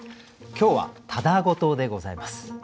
今日は「ただごと」でございます。